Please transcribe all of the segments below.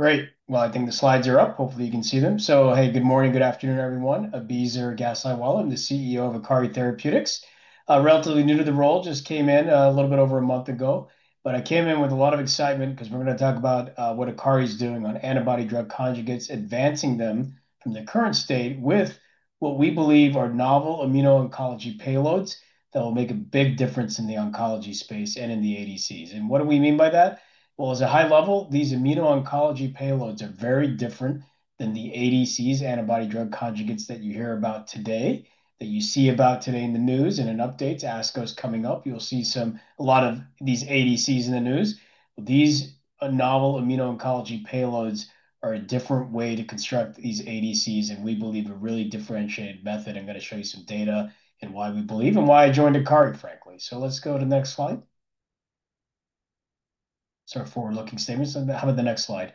Great. I think the slides are up. Hopefully, you can see them. Hey, good morning, good afternoon, everyone. Abizer Gaslightwala, I'm the CEO of Akari Therapeutics. Relatively new to the role, just came in a little bit over a month ago, but I came in with a lot of excitement because we're going to talk about what Akari is doing on antibody drug conjugates, advancing them from their current state with what we believe are novel immuno-oncology payloads that will make a big difference in the oncology space and in the ADCs. What do we mean by that? At a high level, these immuno-oncology payloads are very different than the ADCs, antibody drug conjugates that you hear about today, that you see about today in the news and in updates. ASCO is coming up. You'll see a lot of these ADCs in the news. These novel immuno-oncology payloads are a different way to construct these ADCs, and we believe a really differentiated method. I'm going to show you some data and why we believe and why I joined Akari, frankly. Let's go to the next slide. Sort of forward-looking statements. How about the next slide?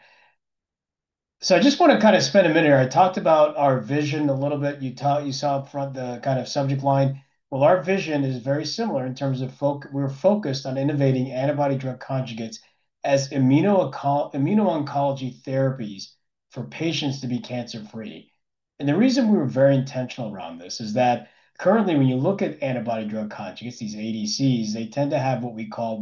I just want to kind of spend a minute here. I talked about our vision a little bit. You saw up front the kind of subject line. Our vision is very similar in terms of we're focused on innovating antibody drug conjugates as immuno-oncology therapies for patients to be cancer-free. The reason we were very intentional around this is that currently, when you look at antibody drug conjugates, these ADCs, they tend to have what we call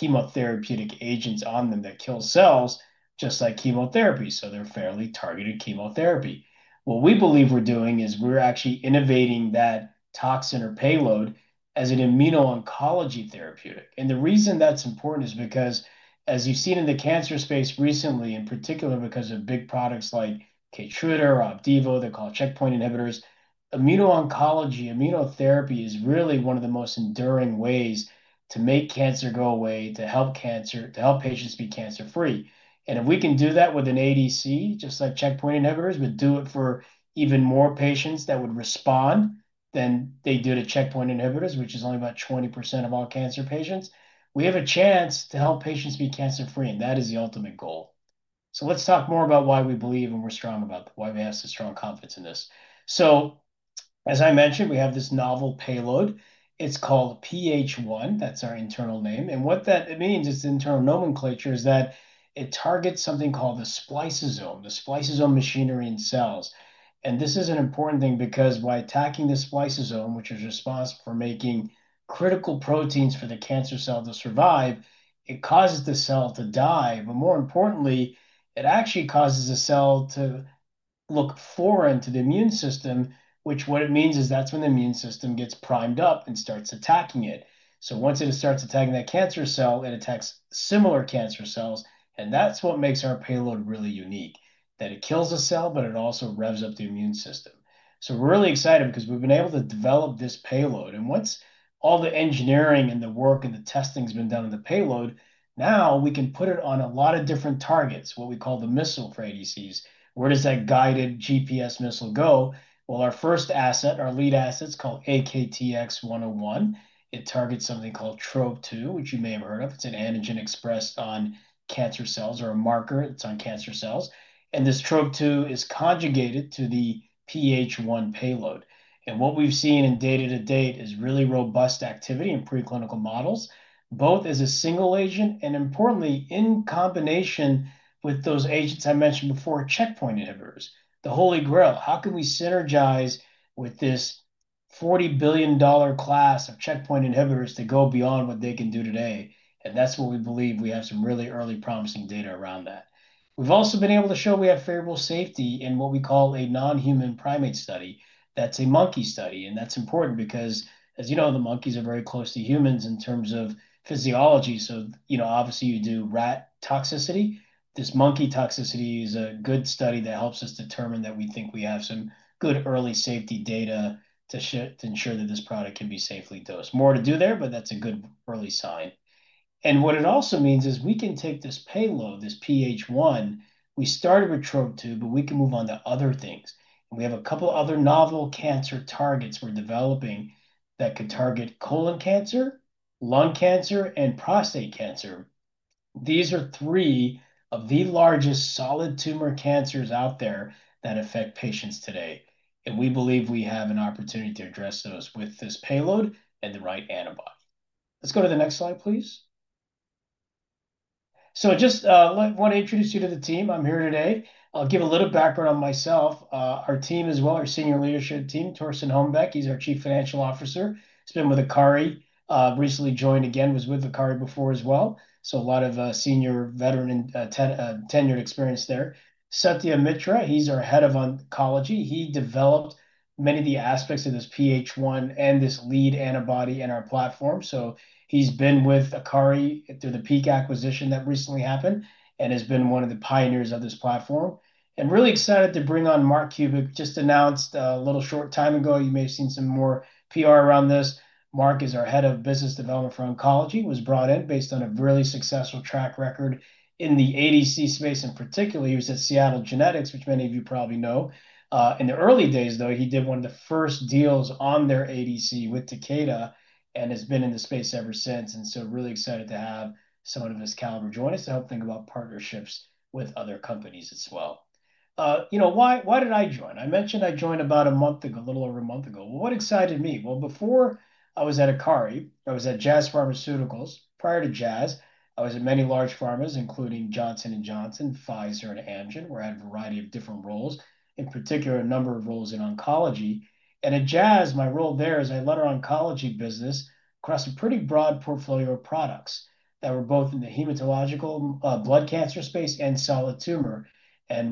these Cytotoxic Chemotherapeutic Agents on them that kill cells, just like chemotherapy. They're fairly targeted chemotherapy. What we believe we're doing is we're actually innovating that toxin or payload as an immuno-oncology therapeutic. The reason that's important is because, as you've seen in the cancer space recently, in particular because of big products like Keytruda, Opdivo, they're called checkpoint inhibitors, immuno-oncology, immunotherapy is really one of the most enduring ways to make cancer go away, to help patients be cancer-free. If we can do that with an ADC, just like checkpoint inhibitors, but do it for even more patients that would respond than they do to checkpoint inhibitors, which is only about 20% of all cancer patients, we have a chance to help patients be cancer-free. That is the ultimate goal. Let's talk more about why we believe and we're strong about why we have such strong confidence in this. As I mentioned, we have this novel payload. It's called PH1. That's our internal name. What that means, its internal nomenclature, is that it targets something called the spliceosome, the spliceosome machinery in cells. This is an important thing because by attacking the spliceosome, which is responsible for making critical proteins for the cancer cell to survive, it causes the cell to die. More importantly, it actually causes the cell to look foreign to the immune system, which means that's when the immune system gets primed up and starts attacking it. Once it starts attacking that cancer cell, it attacks similar cancer cells. That's what makes our payload really unique, that it kills a cell, but it also revs up the immune system. We're really excited because we've been able to develop this payload. Once all the engineering and the work and the testing has been done on the payload, now we can put it on a lot of different targets, what we call the missile for ADCs. Where does that guided GPS missile go? Our first asset, our lead asset, it's called AKTX-101. It targets something called TROP2, which you may have heard of. It's an antigen expressed on cancer cells or a marker that's on cancer cells. This TROP2 is conjugated to the PH1 payload. What we've seen in data to date is really robust activity in preclinical models, both as a single agent and, importantly, in combination with those agents I mentioned before, checkpoint inhibitors. The holy grail. How can we synergize with this $40 billion class of checkpoint inhibitors to go beyond what they can do today? That is what we believe we have some really early promising data around. We have also been able to show we have favorable safety in what we call a non-human primate study. That is a monkey study. That is important because, as you know, the monkeys are very close to humans in terms of Physiology. You know, obviously, you do rat toxicity. This monkey toxicity is a good study that helps us determine that we think we have some good early safety data to ensure that this product can be safely dosed. More to do there, but that is a good early sign. What it also means is we can take this payload, this PH1. We started with TROP2, but we can move on to other things. We have a couple of other novel cancer targets we are developing that could target colon cancer, lung cancer, and prostate cancer. These are three of the largest solid tumor cancers out there that affect patients today. We believe we have an opportunity to address those with this payload and the right antibody. Let's go to the next slide, please. I just want to introduce you to the team. I'm here today. I'll give a little background on myself, our team as well, our senior leadership team, Torsten Hombeck. He's our Chief Financial Officer. He's been with Akari. Recently joined again, was with Akari before as well. A lot of Senior Veteran and tenured experience there. Satyajit Mitra, he's our Head of Oncology. He developed many of the aspects of this PH1 and this lead antibody in our platform. He's been with Akari through the Peak acquisition that recently happened and has been one of the pioneers of this platform. Really excited to bring on Mark Kubicki. Just announced a little short time ago. You may have seen some more PR around this. Mark is our Head of Business Development for Oncology. He was brought in based on a really successful track record in the ADC space, and particularly, he was at Seattle Genetics, which many of you probably know. In the early days, though, he did one of the first deals on their ADC with Takeda and has been in the space ever since. Really excited to have someone of this caliber join us to help think about partnerships with other companies as well. You know, why did I join? I mentioned I joined about a month ago, a little over a month ago. What excited me? Before I was at Akari, I was at Jazz Pharmaceuticals. Prior to Jazz, I was at many large pharmas, including Johnson & Johnson, Pfizer, and Amgen. We had a variety of different roles, in particular, a number of roles in oncology. At Jazz, my role there is I led our oncology business across a pretty broad portfolio of products that were both in the hematological blood cancer space and solid tumor.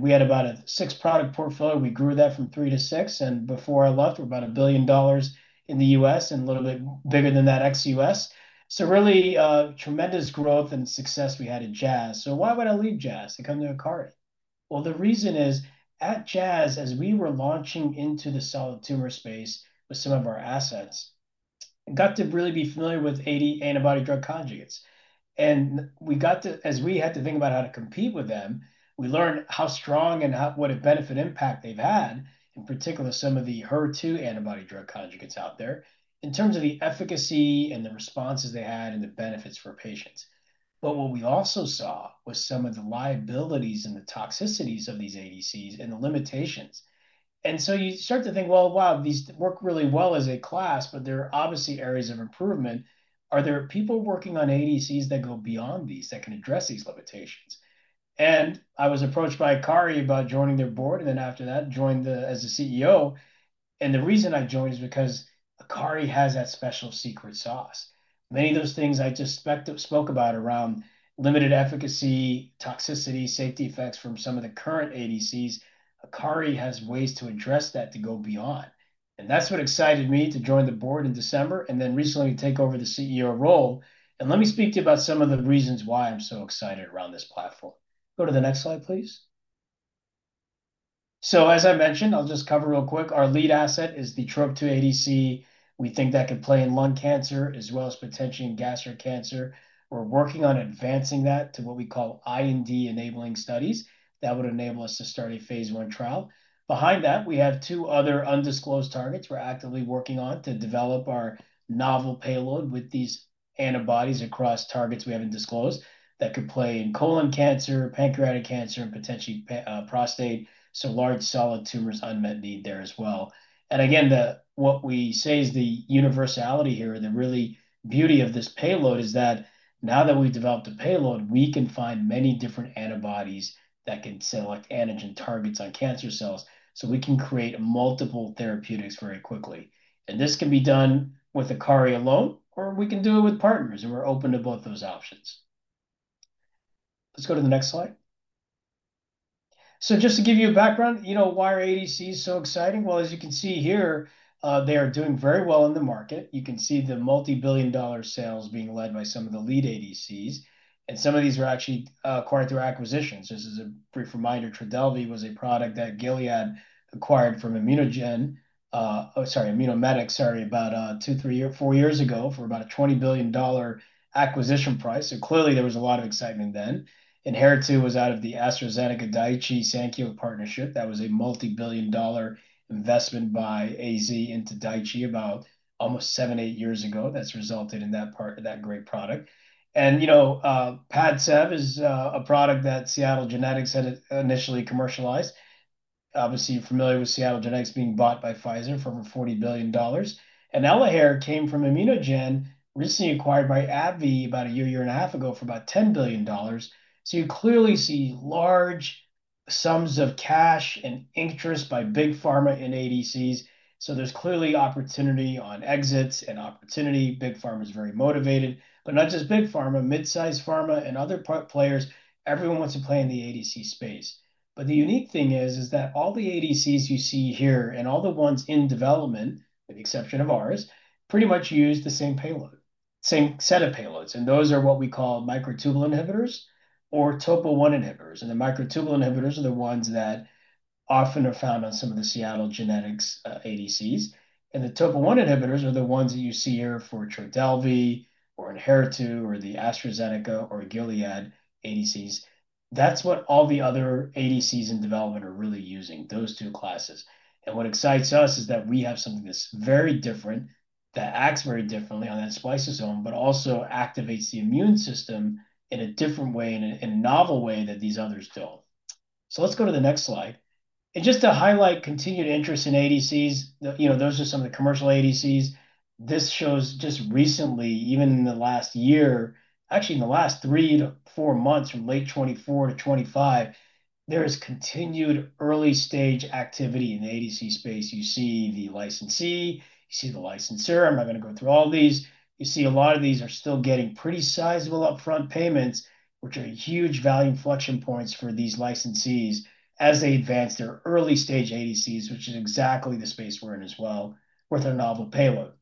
We had about a six-product portfolio. We grew that from three to six. Before I left, we were about a billion dollars in the US and a little bit bigger than that ex-U.S.. Really tremendous growth and success we had at Jazz. Why would I leave Jazz to come to Akari? The reason is at Jazz, as we were launching into the solid tumor space with some of our assets, we got to really be familiar with antibody drug conjugates. We got to, as we had to think about how to compete with them, we learned how strong and what a benefit impact they've had, in particular, some of the HER2 antibody drug conjugates out there in terms of the efficacy and the responses they had and the benefits for patients. What we also saw was some of the liabilities and the toxicities of these ADCs and the limitations. You start to think, wow, these work really well as a class, but there are obviously areas of improvement. Are there people working on ADCs that go beyond these that can address these limitations? I was approached by Akari about joining their board and then after that, joined as CEO. The reason I joined is because Akari has that special secret sauce. Many of those things I just spoke about around limited efficacy, toxicity, safety effects from some of the current ADCs, Akari has ways to address that to go beyond. That is what excited me to join the board in December and then recently take over the CEO role. Let me speak to you about some of the reasons why I'm so excited around this platform. Go to the next slide, please. As I mentioned, I'll just cover real quick. Our lead asset is the TROP2 ADC. We think that could play in lung cancer as well as potentially in gastric cancer. We're working on advancing that to what we call IND-enabling studies that would enable us to start a phase one trial. Behind that, we have two other undisclosed targets we're actively working on to develop our novel payload with these antibodies across targets we haven't disclosed that could play in colon cancer, pancreatic cancer, and potentially prostate. Large solid tumors, unmet need there as well. Again, what we say is the universality here, the real beauty of this payload is that now that we've developed a payload, we can find many different antibodies that can select antigen targets on cancer cells. We can create multiple therapeutics very quickly. This can be done with Akari alone, or we can do it with partners. We're open to both those options. Let's go to the next slide. Just to give you a background, you know, why are ADCs so exciting? As you can see here, they are doing very well in the market. You can see the multi-billion dollar sales being led by some of the lead ADCs. Some of these are actually acquired through acquisitions. This is a brief reminder. Trodelvy was a product that Gilead acquired from Immunomedics or, sorry, Immunomedics, sorry, about two, three, four years ago for about a $20 billion acquisition price. Clearly, there was a lot of excitement then. Enhertu was out of the AstraZeneca-Daiichi Sankyo partnership. That was a multi-billion dollar investment by AZ into Daiichi about almost seven, eight years ago. That has resulted in that great product. You know, Padcev is a product that Seattle Genetics had initially commercialized. Obviously, you're familiar with Seattle Genetics being bought by Pfizer for over $40 billion. Elahere came from ImmunoGen, recently acquired by AbbVie about a year, year and a half ago for about $10 billion. You clearly see large sums of cash and interest by big pharma in ADCs. There is clearly opportunity on exits and opportunity. Big pharma is very motivated, but not just big pharma, mid-sized pharma and other players. Everyone wants to play in the ADC space. The unique thing is that all the ADCs you see here and all the ones in development, with the exception of ours, pretty much use the same payload, same set of payloads. Those are what we call microtubule inhibitors or TOPO1 inhibitors. The microtubule inhibitors are the ones that often are found on some of the Seattle Genetics ADCs. The TOPO1 inhibitors are the ones that you see here for Trodelvy or Enhertu or the AstraZeneca or Gilead ADCs. That is what all the other ADCs in development are really using, those two classes. What excites us is that we have something that's very different that acts very differently on that spliceosome, but also activates the immune system in a different way, in a novel way that these others do not. Let's go to the next slide. Just to highlight continued interest in ADCs, you know, those are some of the commercial ADCs. This shows just recently, even in the last year, actually in the last three to four months from late 2024 to 2025, there is continued early stage activity in the ADC space. You see the licensee, you see the licensee. I'm not going to go through all these. You see a lot of these are still getting pretty sizable upfront payments, which are huge value inflection points for these licensees as they advance their early stage ADCs, which is exactly the space we're in as well with our novel payload.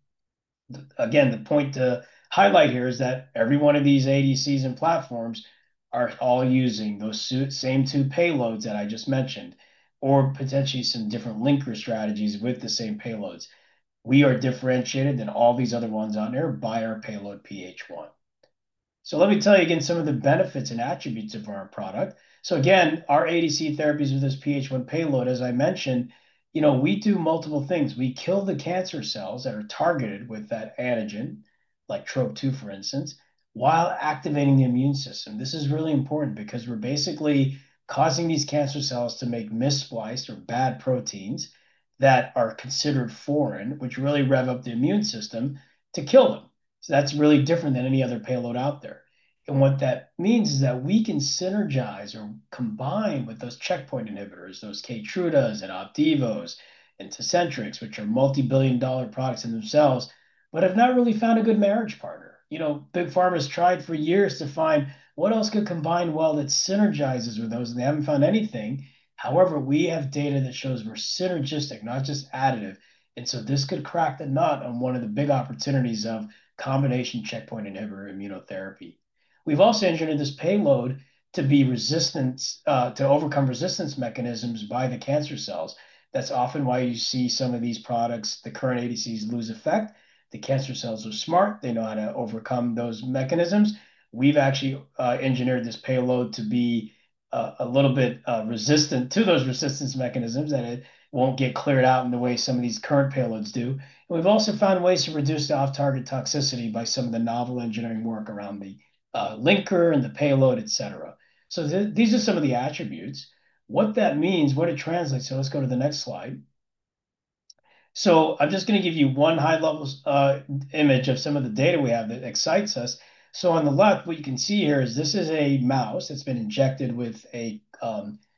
Again, the point to highlight here is that every one of these ADCs and platforms are all using those same two payloads that I just mentioned or potentially some different linker strategies with the same payloads. We are differentiated than all these other ones out there by our payload PH1. Let me tell you again some of the benefits and attributes of our product. Again, our ADC therapies with this PH1 payload, as I mentioned, you know, we do multiple things. We kill the cancer cells that are targeted with that antigen, like TROP2, for instance, while activating the immune system. This is really important because we're basically causing these cancer cells to make misspliced or bad proteins that are considered foreign, which really rev up the immune system to kill them. That is really different than any other payload out there. What that means is that we can synergize or combine with those checkpoint inhibitors, those and Opdivo and Tecentriq, which are multi-billion dollar products in themselves, but have not really found a good marriage partner. You know, big pharma has tried for years to find what else could combine well that synergizes with those, and they haven't found anything. However, we have data that shows we're synergistic, not just additive. This could crack the nut on one of the big opportunities of combination checkpoint inhibitor immunotherapy. We've also engineered this payload to overcome resistance mechanisms by the cancer cells. That's often why you see some of these products, the current ADCs, lose effect. The cancer cells are smart. They know how to overcome those mechanisms. We've actually engineered this payload to be a little bit resistant to those resistance mechanisms that it won't get cleared out in the way some of these current payloads do. We've also found ways to reduce the off-target toxicity by some of the novel engineering work around the linker and the payload, et cetera. These are some of the attributes. What that means, what it translates. Let's go to the next slide. I'm just going to give you one high-level image of some of the data we have that excites us. On the left, what you can see here is this is a mouse that's been injected with a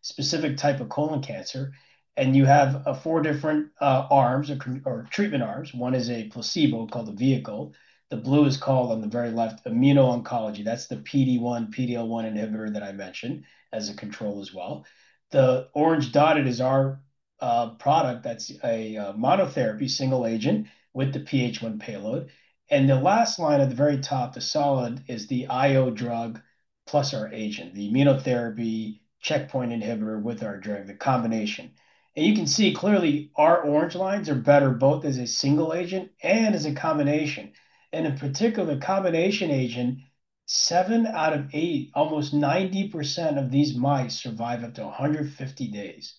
specific type of colon cancer. You have four different arms or treatment arms. One is a placebo called the vehicle. The blue is called on the very left immuno-oncology. That is the PD-1, PD-L1 inhibitor that I mentioned as a control as well. The orange dotted is our product. That is a monotherapy single agent with the PH1 payload. The last line at the very top, the solid, is the IO drug plus our agent, the immunotherapy checkpoint inhibitor with our drug, the combination. You can see clearly our orange lines are better both as a single agent and as a combination. In particular, the combination agent, seven out of eight, almost 90% of these mice survive up to 150 days.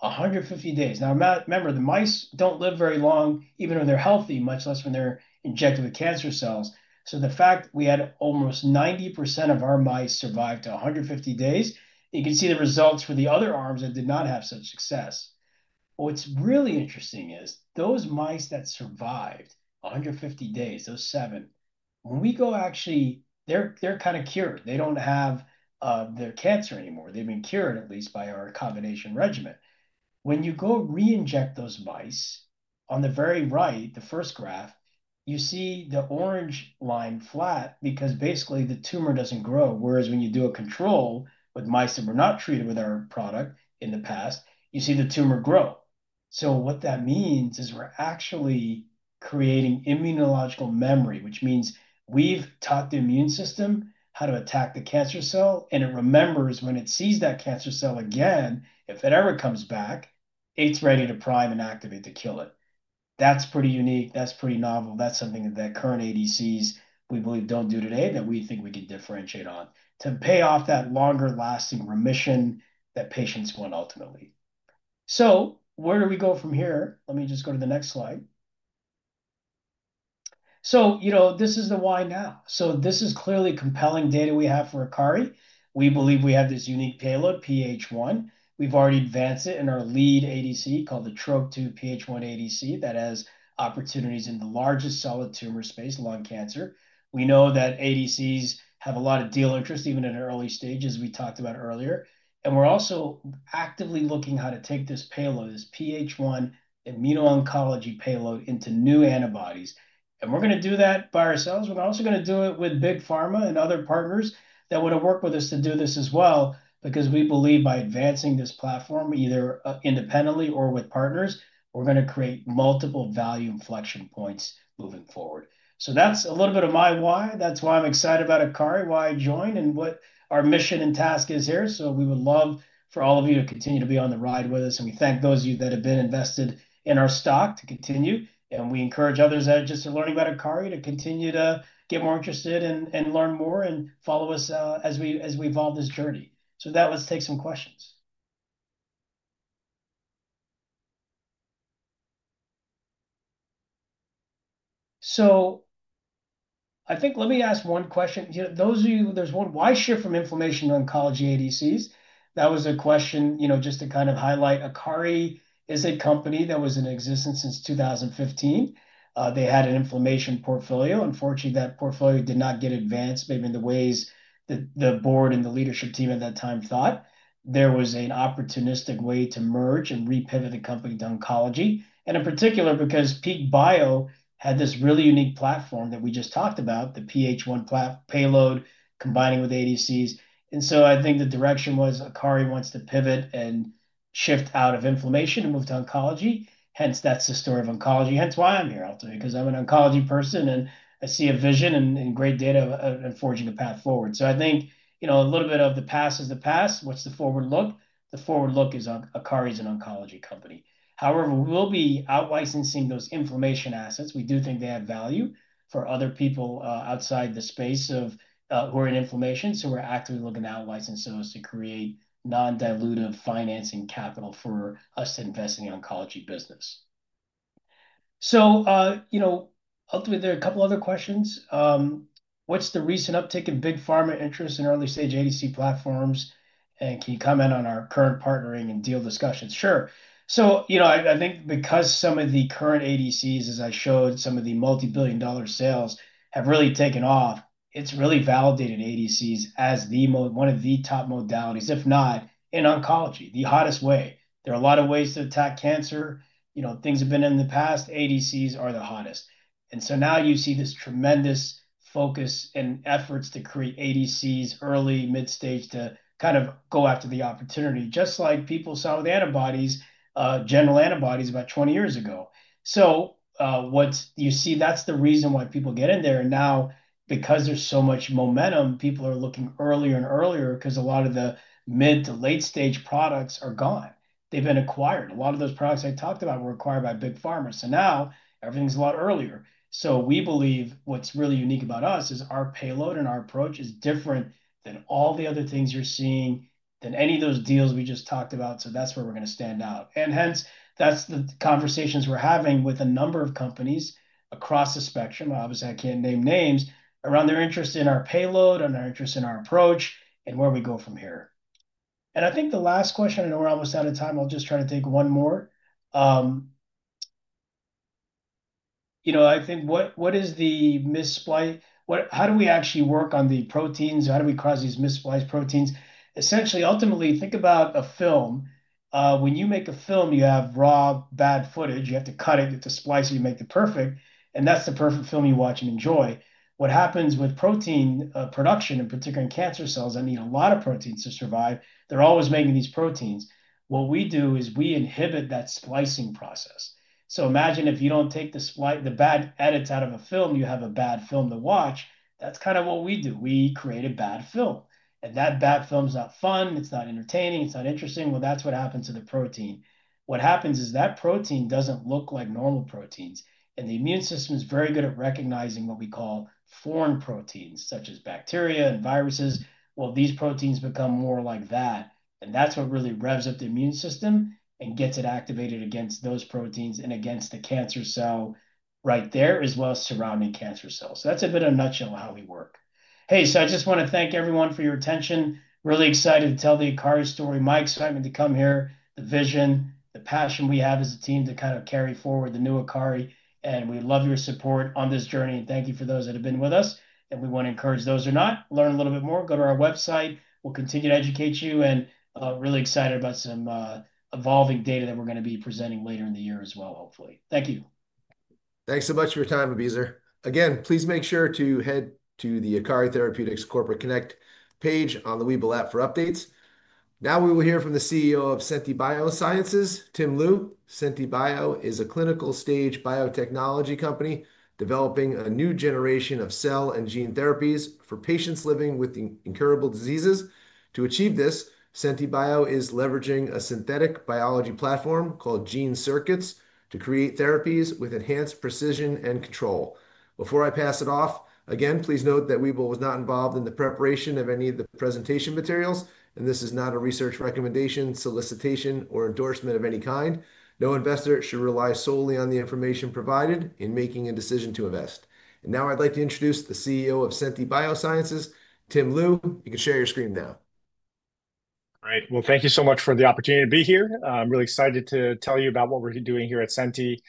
150 days. Now, remember, the mice do not live very long, even when they are healthy, much less when they are injected with cancer cells. The fact we had almost 90% of our mice survive to 150 days, you can see the results for the other arms that did not have such success. What's really interesting is those mice that survived 150 days, those seven, when we go actually, they're kind of cured. They don't have their cancer anymore. They've been cured at least by our combination regimen. When you go re-inject those mice on the very right, the first graph, you see the orange line flat because basically the tumor doesn't grow. Whereas when you do a control with mice that were not treated with our product in the past, you see the tumor grow. What that means is we're actually creating immunological memory, which means we've taught the immune system how to attack the cancer cell. It remembers when it sees that cancer cell again, if it ever comes back, it's ready to prime and activate to kill it. That's pretty unique. That's pretty novel. That's something that current ADCs we believe don't do today that we think we can differentiate on to pay off that longer-lasting remission that patients want ultimately. Where do we go from here? Let me just go to the next slide. You know, this is the why now. This is clearly compelling data we have for Akari. We believe we have this unique payload, PH1. We've already advanced it in our lead ADC called the TROP2 PH1 ADC that has opportunities in the largest solid tumor space, lung cancer. We know that ADCs have a lot of deal interest even in early stages, as we talked about earlier. We're also actively looking at how to take this payload, this PH1 immuno-oncology payload, into new antibodies. We're going to do that by ourselves. We're also going to do it with big pharma and other partners that want to work with us to do this as well, because we believe by advancing this platform, either independently or with partners, we're going to create multiple value inflection points moving forward. That's a little bit of my why. That's why I'm excited about Akari, why I joined, and what our mission and task is here. We would love for all of you to continue to be on the ride with us. We thank those of you that have been invested in our stock to continue. We encourage others that are just learning about Akari to continue to get more interested and learn more and follow us as we evolve this journey. With that, let's take some questions. I think let me ask one question. You know, those of you, there's one why shift from inflammation to oncology ADCs. That was a question, you know, just to kind of highlight Akari is a company that was in existence since 2015. They had an inflammation portfolio. Unfortunately, that portfolio did not get advanced, maybe in the ways that the board and the leadership team at that time thought. There was an opportunistic way to merge and repivot the company to oncology. In particular, because Peak Bio had this really unique platform that we just talked about, the PH1 payload combining with ADCs. I think the direction was Akari wants to pivot and shift out of inflammation and move to oncology. Hence, that's the story of oncology. Hence why I'm here, ultimately, because I'm an oncology person and I see a vision and great data and forging a path forward. I think, you know, a little bit of the past is the past. What's the forward look? The forward look is Akari is an oncology company. However, we will be outlicensing those inflammation assets. We do think they have value for other people outside the space who are in inflammation. We are actively looking to outlicense those to create non-dilutive financing capital for us to invest in the oncology business. You know, ultimately, there are a couple of other questions. What's the recent uptick in big pharma interest in early stage ADC platforms? Can you comment on our current partnering and deal discussions? Sure. You know, I think because some of the current ADCs, as I showed, some of the multi-billion dollar sales have really taken off, it's really validated ADCs as one of the top modalities, if not in oncology, the hottest way. There are a lot of ways to attack cancer. You know, things have been in the past. ADCs are the hottest. Now you see this tremendous focus and efforts to create ADCs early, mid-stage to kind of go after the opportunity, just like people saw with antibodies, general antibodies about 20 years ago. What you see, that's the reason why people get in there. Now, because there's so much momentum, people are looking earlier and earlier because a lot of the mid to late stage products are gone. They've been acquired. A lot of those products I talked about were acquired by big pharma. Now everything's a lot earlier. We believe what's really unique about us is our payload and our approach is different than all the other things you're seeing, than any of those deals we just talked about. That's where we're going to stand out. Hence, that's the conversations we're having with a number of companies across the spectrum. Obviously, I can't name names around their interest in our payload and our interest in our approach and where we go from here. I think the last question, I know we're almost out of time. I'll just try to take one more. You know, I think what is the missplice? How do we actually work on the proteins? How do we cause these misspliced proteins? Essentially, ultimately, think about a film. When you make a film, you have raw, bad footage. You have to cut it, you have to splice it, you make the perfect. That is the perfect film you watch and enjoy. What happens with protein production, in particular in cancer cells, they need a lot of proteins to survive. They're always making these proteins. What we do is we inhibit that splicing process. Imagine if you do not take the bad edits out of a film, you have a bad film to watch. That is kind of what we do. We create a bad film. That bad film is not fun. It is not entertaining. It is not interesting. That is what happens to the protein. What happens is that protein does not look like normal proteins. The immune system is very good at recognizing what we call foreign proteins, such as bacteria and viruses. These proteins become more like that. That is what really revs up the immune system and gets it activated against those proteins and against the cancer cell right there as well as surrounding cancer cells. That is a bit of a nutshell of how we work. I just want to thank everyone for your attention. Really excited to tell the Akari story. Mike's excitement to come here, the vision, the passion we have as a team to kind of carry forward the new Akari. We love your support on this journey. Thank you for those that have been with us. We want to encourage those who are not, learn a little bit more, go to our website. We will continue to educate you. Really excited about some evolving data that we are going to be presenting later in the year as well, hopefully. Thank you. Thanks so much for your time, Abizer. Again, please make sure to head to the Akari Therapeutics Corporate Connect page on the Webull app for updates. Now we will hear from the CEO of Senti Biosciences, Tim Lu. Senti Biosciences is a clinical stage biotechnology company developing a new generation of cell and gene therapies for patients living with incurable diseases. To achieve this, Senti Biosciences is leveraging a synthetic biology platform called Gene Circuits to create therapies with enhanced precision and control. Before I pass it off, again, please note that Webull was not involved in the preparation of any of the presentation materials, and this is not a research recommendation, solicitation, or endorsement of any kind. No investor should rely solely on the information provided in making a decision to invest. Now I'd like to introduce the CEO of Senti Biosciences, Tim Lu. You can share your screen now. All right. Thank you so much for the opportunity to be here. I'm really excited to tell you about what we're doing here at Senti,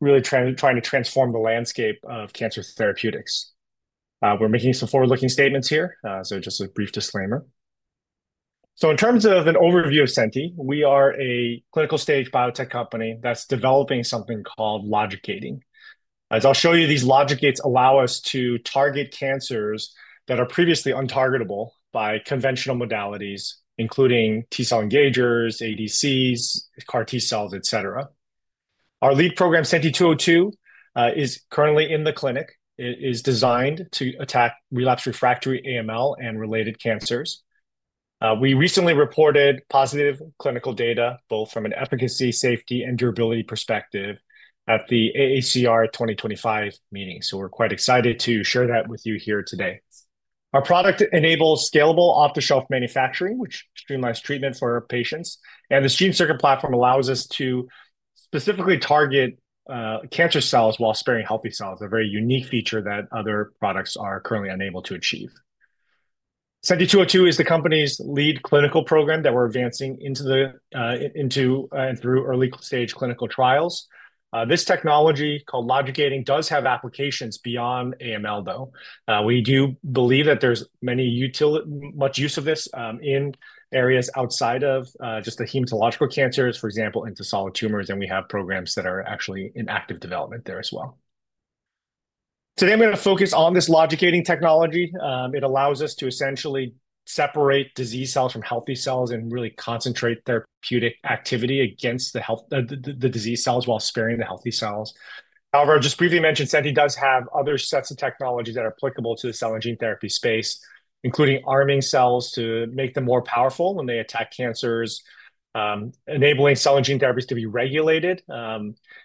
really trying to transform the landscape of cancer therapeutics. We're making some forward-looking statements here, so just a brief disclaimer. In terms of an overview of Senti, we are a clinical stage biotech company that's developing something called Logicate. As I'll show you, these Logicates allow us to target cancers that are previously untargettable by conventional modalities, including T-cell engagers, ADCs, CAR T-cells, et cetera. Our lead program, Senti-202, is currently in the clinic. It is designed to attack relapsed refractory AML and related cancers. We recently reported positive clinical data, both from an efficacy, safety, and durability perspective at the AACR 2025 meeting. We're quite excited to share that with you here today. Our product enables scalable off-the-shelf manufacturing, which streamlines treatment for patients. The Gene Circuit platform allows us to specifically target cancer cells while sparing healthy cells, a very unique feature that other products are currently unable to achieve. Senti-202 is the company's lead clinical program that we're advancing into and through early stage clinical trials. This technology, called Logicate, does have applications beyond AML, though. We do believe that there's much use of this in areas outside of just the hematological cancers, for example, into solid tumors. We have programs that are actually in active development there as well. Today, I'm going to focus on this Logicate technology. It allows us to essentially separate disease cells from healthy cells and really concentrate therapeutic activity against the disease cells while sparing the healthy cells. However, I just briefly mentioned Senti does have other sets of technologies that are applicable to the cell and gene therapy space, including arming cells to make them more powerful when they attack cancers, enabling cell and gene therapies to be regulated.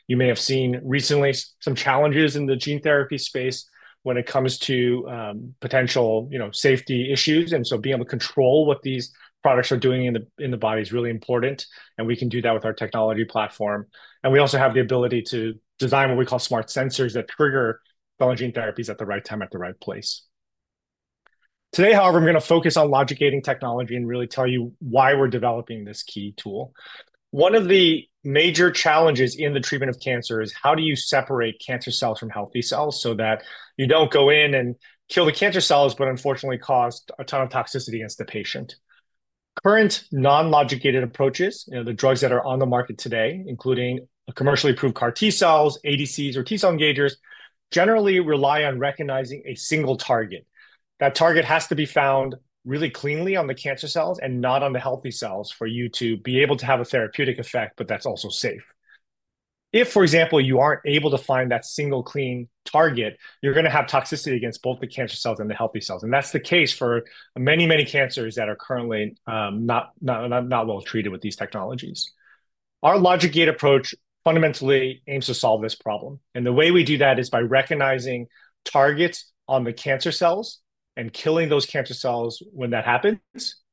You may have seen recently some challenges in the gene therapy space when it comes to potential, you know, safety issues. Being able to control what these products are doing in the body is really important. We can do that with our technology platform. We also have the ability to design what we call smart sensors that trigger cell and gene therapies at the right time at the right place. Today, however, I'm going to focus on Logicate technology and really tell you why we're developing this key tool. One of the major challenges in the treatment of cancer is how do you separate cancer cells from healthy cells so that you do not go in and kill the cancer cells, but unfortunately cause a ton of toxicity against the patient. Current non-Logicated approaches, you know, the drugs that are on the market today, including commercially approved CAR T-cells, ADCs, or T-cell engagers, generally rely on recognizing a single target. That target has to be found really cleanly on the cancer cells and not on the healthy cells for you to be able to have a therapeutic effect, but that is also safe. If, for example, you are not able to find that single clean target, you are going to have toxicity against both the cancer cells and the healthy cells. That is the case for many, many cancers that are currently not well treated with these technologies. Our Logicate approach fundamentally aims to solve this problem. The way we do that is by recognizing targets on the cancer cells and killing those cancer cells when that happens,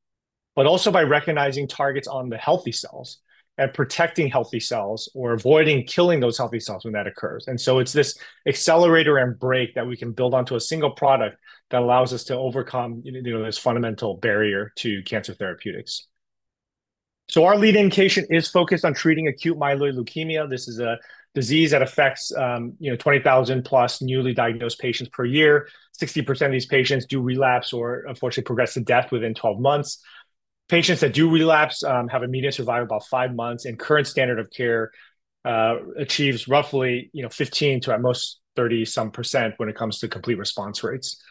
but also by recognizing targets on the healthy cells and protecting healthy cells or avoiding killing those healthy cells when that occurs. It is this accelerator and brake that we can build onto a single product that allows us to overcome, you know, this fundamental barrier to cancer therapeutics. Our lead indication is focused on treating acute myeloid leukemia. This is a disease that affects, you know, 20,000 plus newly diagnosed patients per year. 60% of these patients do relapse or unfortunately progress to death within 12 months. Patients that do relapse have a median survival of about five months. Current standard of care achieves roughly, you know, 15%-at most 30% when it comes to complete response rates.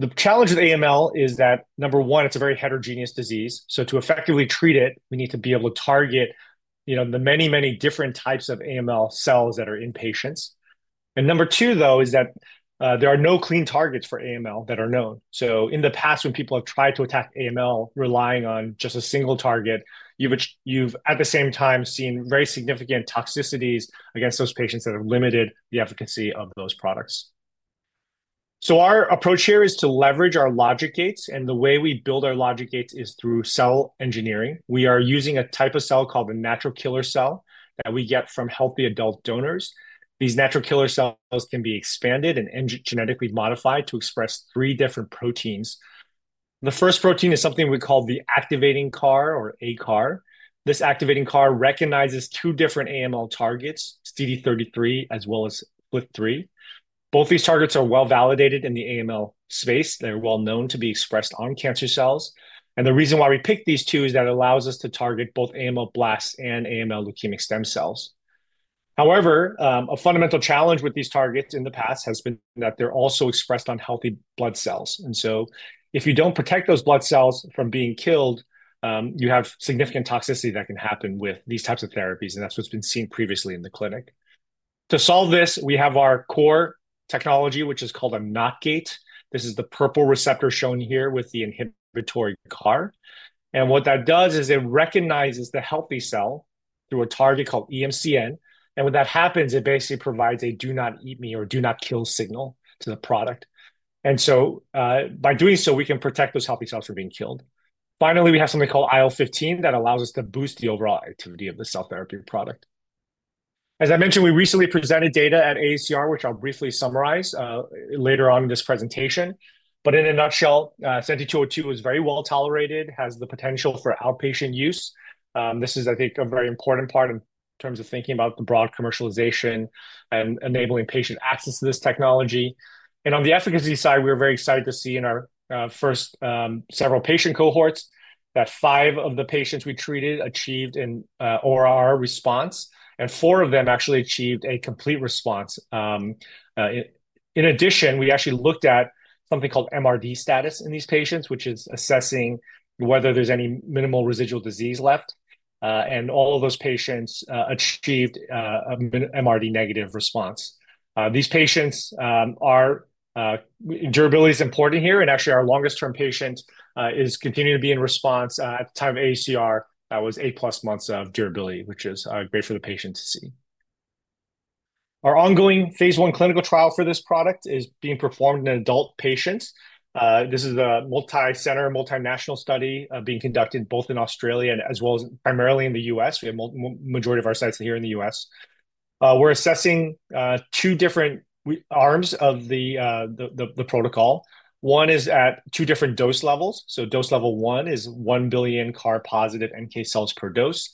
The challenge with AML is that, number one, it's a very heterogeneous disease. To effectively treat it, we need to be able to target, you know, the many, many different types of AML cells that are in patients. Number two, though, is that there are no clean targets for AML that are known. In the past, when people have tried to attack AML relying on just a single target, you've at the same time seen very significant toxicities against those patients that have limited the efficacy of those products. Our approach here is to leverage our Logicates. The way we build our Logicates is through cell engineering. We are using a type of cell called a natural killer cell that we get from healthy adult donors. These natural killer cells can be expanded and genetically modified to express three different proteins. The first protein is something we call the activating CAR or ACAR. This activating CAR recognizes two different AML targets, CD33 as well as FLT3. Both these targets are well validated in the AML space. They're well known to be expressed on cancer cells. The reason why we picked these two is that it allows us to target both AML blasts and AML leukemic stem cells. However, a fundamental challenge with these targets in the past has been that they're also expressed on healthy blood cells. If you do not protect those blood cells from being killed, you have significant toxicity that can happen with these types of therapies. is what has been seen previously in the clinic. To solve this, we have our core technology, which is called a knot gate. This is the purple receptor shown here with the inhibitory CAR. What that does is it recognizes the healthy cell through a target called EMCN. When that happens, it basically provides a do not eat me or do not kill signal to the product. By doing so, we can protect those healthy cells from being killed. Finally, we have something called IL-15 that allows us to boost the overall activity of the cell therapy product. As I mentioned, we recently presented data at AACR, which I will briefly summarize later on in this presentation. In a nutshell, SENTI-202 is very well tolerated and has the potential for outpatient use. This is, I think, a very important part in terms of thinking about the broad commercialization and enabling patient access to this technology. On the efficacy side, we were very excited to see in our first several patient cohorts that five of the patients we treated achieved an ORR response, and four of them actually achieved a complete response. In addition, we actually looked at something called MRD status in these patients, which is assessing whether there's any minimal residual disease left. All of those patients achieved a MRD negative response. These patients are durability is important here. Actually, our longest term patient is continuing to be in response at the time of AACR, that was eight plus months of durability, which is great for the patient to see. Our ongoing phase one clinical trial for this product is being performed in an adult patient. This is a multi-center multinational study being conducted both in Australia and as well as primarily in the U.S. We have the majority of our sites here in the U.S. We're assessing two different arms of the protocol. One is at two different dose levels. Dose level one is 1 billion CAR positive NK cells per dose.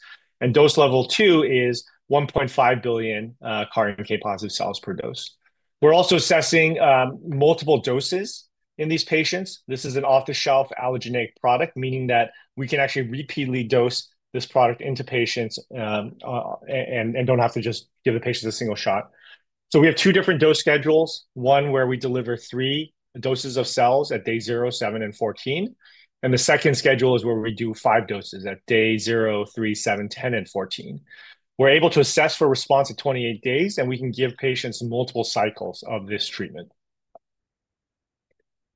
Dose level two is 1.5 billion CAR NK positive cells per dose. We're also assessing multiple doses in these patients. This is an off-the-shelf allogeneic product, meaning that we can actually repeatedly dose this product into patients and do not have to just give the patients a single shot. We have two different dose schedules, one where we deliver three doses of cells at day zero, seven, and 14. The second schedule is where we do five doses at day zero, three, seven, ten, and 14. We're able to assess for response at 28 days, and we can give patients multiple cycles of this treatment.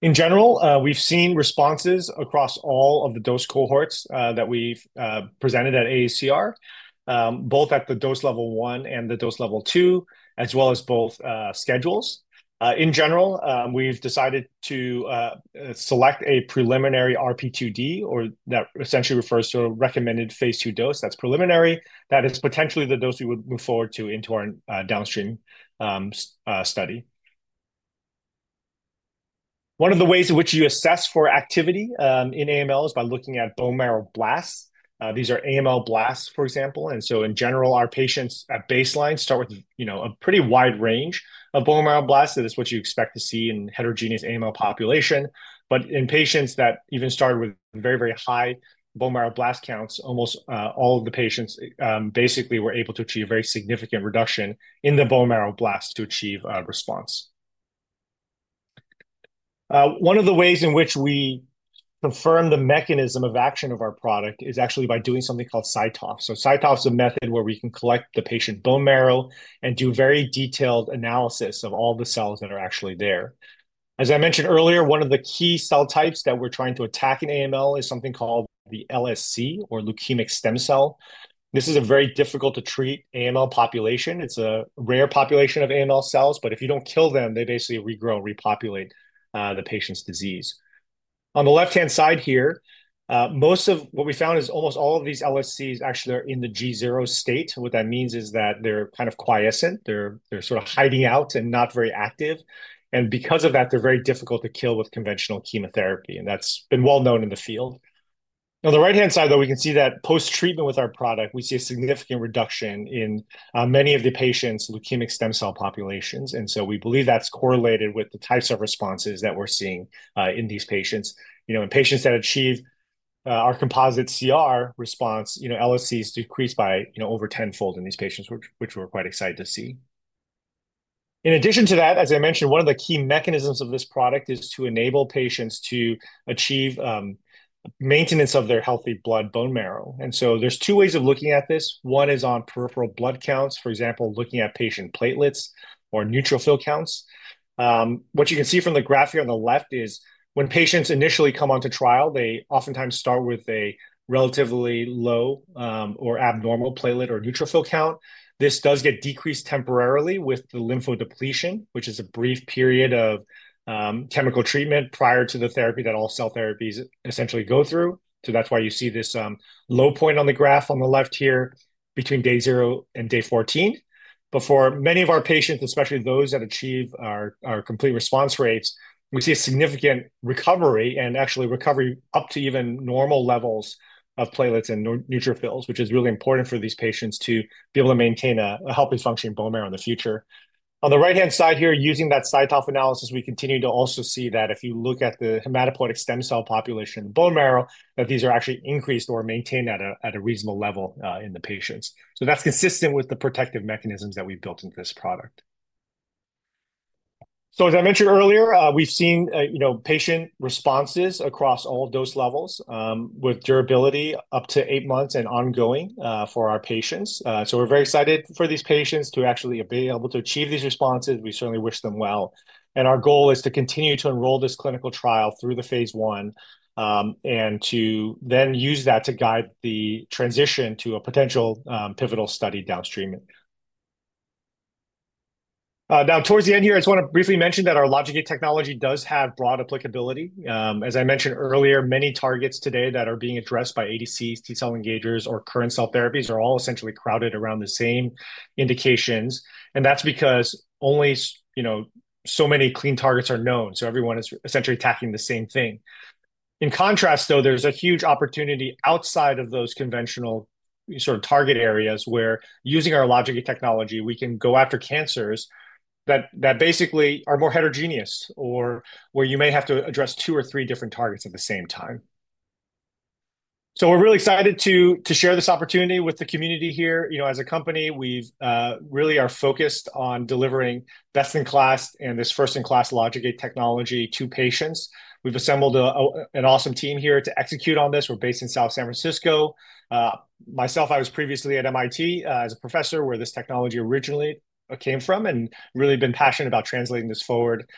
In general, we've seen responses across all of the dose cohorts that we've presented at AACR, both at the dose level one and the dose level two, as well as both schedules. In general, we've decided to select a preliminary RP2D, or that essentially refers to a recommended phase two dose that's preliminary. That is potentially the dose we would move forward to into our downstream study. One of the ways in which you assess for activity in AML is by looking at bone marrow blasts. These are AML blasts, for example. In general, our patients at baseline start with, you know, a pretty wide range of bone marrow blasts. That is what you expect to see in heterogeneous AML population. In patients that even started with very, very high bone marrow blast counts, almost all of the patients basically were able to achieve a very significant reduction in the bone marrow blast to achieve response. One of the ways in which we confirm the mechanism of action of our product is actually by doing something called CyTOF. CyTOF is a method where we can collect the patient bone marrow and do very detailed analysis of all the cells that are actually there. As I mentioned earlier, one of the key cell types that we're trying to attack in AML is something called the LSC or leukemic stem cell. This is a very difficult to treat AML population. It's a rare population of AML cells, but if you don't kill them, they basically regrow and repopulate the patient's disease. On the left-hand side here, most of what we found is almost all of these LSCs actually are in the G-ZERO state. What that means is that they're kind of quiescent. They're sort of hiding out and not very active. Because of that, they're very difficult to kill with conventional chemotherapy. That's been well known in the field. On the right-hand side, though, we can see that post-treatment with our product, we see a significant reduction in many of the patients' leukemic stem cell populations. We believe that's correlated with the types of responses that we're seeing in these patients. You know, in patients that achieve our composite CR response, you know, LSCs decrease by, you know, over tenfold in these patients, which we're quite excited to see. In addition to that, as I mentioned, one of the key mechanisms of this product is to enable patients to achieve maintenance of their healthy blood bone marrow. There are two ways of looking at this. One is on peripheral blood counts, for example, looking at patient platelets or neutrophil counts. What you can see from the graph here on the left is when patients initially come onto trial, they oftentimes start with a relatively low or abnormal platelet or neutrophil count. This does get decreased temporarily with the lymphodepletion, which is a brief period of chemical treatment prior to the therapy that all cell therapies essentially go through. That is why you see this low point on the graph on the left here between day zero and day 14. For many of our patients, especially those that achieve our complete response rates, we see a significant recovery and actually recovery up to even normal levels of platelets and neutrophils, which is really important for these patients to be able to maintain a healthy functioning bone marrow in the future. On the right-hand side here, using that CyTOF analysis, we continue to also see that if you look at the hematopoietic stem cell population in the bone marrow, these are actually increased or maintained at a reasonable level in the patients. That is consistent with the protective mechanisms that we have built into this product. As I mentioned earlier, we have seen, you know, patient responses across all dose levels with durability up to eight months and ongoing for our patients. We are very excited for these patients to actually be able to achieve these responses. We certainly wish them well. Our goal is to continue to enroll this clinical trial through the phase one and to then use that to guide the transition to a potential pivotal study downstream. Now, towards the end here, I just want to briefly mention that our Logicate technology does have broad applicability. As I mentioned earlier, many targets today that are being addressed by ADCs, T-cell engagers, or current cell therapies are all essentially crowded around the same indications. That is because only, you know, so many clean targets are known. Everyone is essentially attacking the same thing. In contrast, though, there is a huge opportunity outside of those conventional sort of target areas where using our Logicate technology, we can go after cancers that basically are more heterogeneous or where you may have to address two or three different targets at the same time. We're really excited to share this opportunity with the community here. You know, as a company, we really are focused on delivering best-in-class and this first-in-class Logicate technology to patients. We've assembled an awesome team here to execute on this. We're based in South San Francisco. Myself, I was previously at MIT as a professor where this technology originally came from and really been passionate about translating this forward.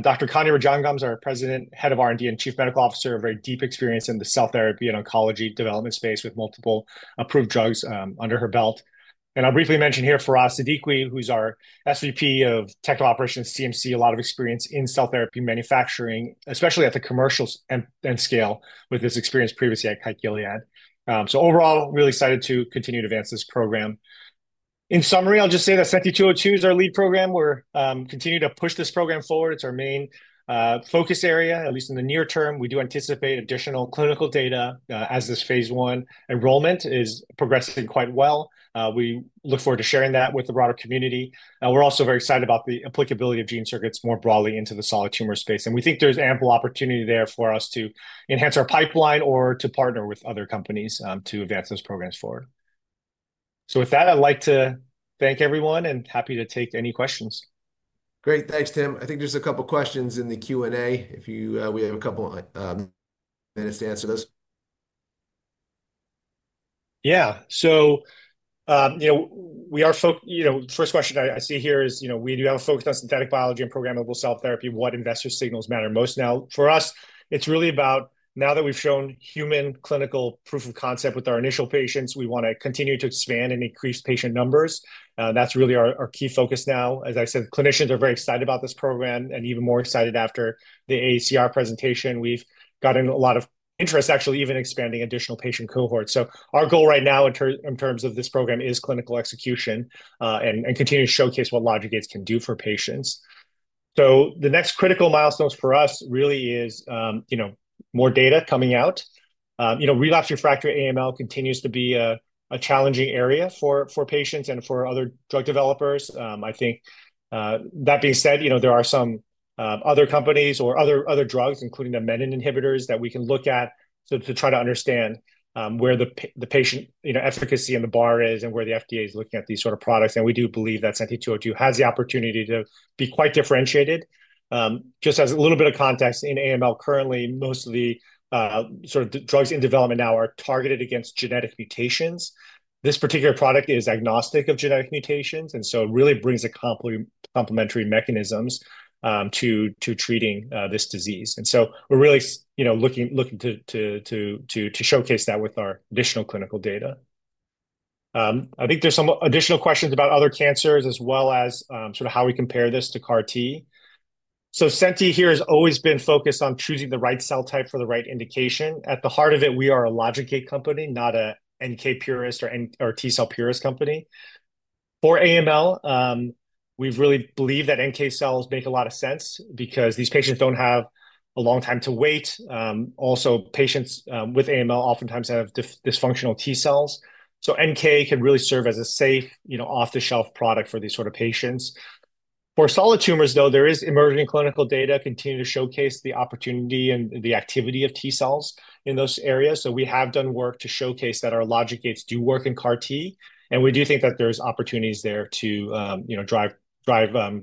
Dr. Kanya Rajan is our President, Head of R&D and Chief Medical Officer, a very deep experience in the cell therapy and oncology development space with multiple approved drugs under her belt. I'll briefly mention here Faraz Siddiqui, who's our SVP of Technical Operations CMC, a lot of experience in cell therapy manufacturing, especially at the commercial and scale with his experience previously at Kyverna. Overall, really excited to continue to advance this program. In summary, I'll just say that SENTI-202 is our lead program. We're continuing to push this program forward. It's our main focus area, at least in the near term. We do anticipate additional clinical data as this phase one enrollment is progressing quite well. We look forward to sharing that with the broader community. We're also very excited about the applicability of gene circuits more broadly into the solid tumor space. We think there's ample opportunity there for us to enhance our pipeline or to partner with other companies to advance those programs forward. With that, I'd like to thank everyone and happy to take any questions. Great. Thanks, Tim. I think there's a couple of questions in the Q&A. If you, we have a couple of minutes to answer those. Yeah. So, you know, we are focused, you know, the first question I see here is, you know, we do have a focus on synthetic biology and programmable cell therapy. What investor signals matter most now? For us, it's really about now that we've shown human clinical proof of concept with our initial patients, we want to continue to expand and increase patient numbers. That's really our key focus now. As I said, clinicians are very excited about this program and even more excited after the AACR presentation. We've gotten a lot of interest, actually even expanding additional patient cohorts. Our goal right now in terms of this program is clinical execution and continue to showcase what Logicates can do for patients. The next critical milestones for us really is, you know, more data coming out. You know, relapse refractory AML continues to be a challenging area for patients and for other drug developers. I think that being said, you know, there are some other companies or other drugs, including the MET inhibitors, that we can look at to try to understand where the patient, you know, efficacy and the bar is and where the FDA is looking at these sort of products. We do believe that SENTI-202 has the opportunity to be quite differentiated. Just as a little bit of context, in AML currently, most of the sort of drugs in development now are targeted against genetic mutations. This particular product is agnostic of genetic mutations. It really brings complementary mechanisms to treating this disease. We are really, you know, looking to showcase that with our additional clinical data. I think there's some additional questions about other cancers as well as sort of how we compare this to CAR-T. Senti here has always been focused on choosing the right cell type for the right indication. At the heart of it, we are a Logicate company, not an NK purist or T-cell Purist Company. For AML, we really believe that NK cells make a lot of sense because these patients don't have a long time to wait. Also, patients with AML oftentimes have dysfunctional T-cells. So NK can really serve as a safe, you know, off-the-shelf product for these sort of patients. For solid tumors, though, there is emerging clinical data continuing to showcase the opportunity and the activity of T-cells in those areas. We have done work to showcase that our Logicates do work in CAR-T. We do think that there's opportunities there to, you know, drive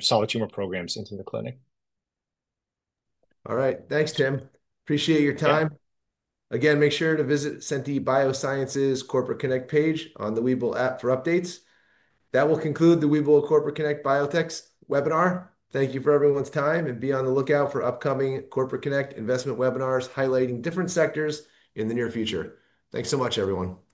solid tumor programs into the clinic. All right. Thanks, Tim. Appreciate your time. Again, make sure to visit Senti Biosciences Corporate Connect page on the Webull app for updates. That will conclude the Webull Corporate Connect Biotechs webinar. Thank you for everyone's time and be on the lookout for upcoming Corporate Connect investment webinars highlighting different sectors in the near future. Thanks so much, everyone. Thank you.